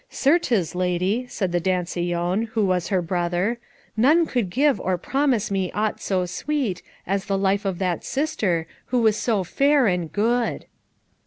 "Certes, lady," said the dansellon, who was her brother, "none could give or promise me aught so sweet, as the life of that sister, who was so fair and good."